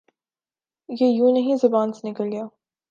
یہ یونہی زبان سے نکل گیا